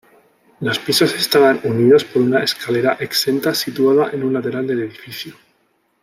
Los pisos estaban unidos por una escalera exenta situada en un lateral del edificio.